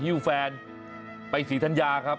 ฮิวแฟนไปศรีธัญญาครับ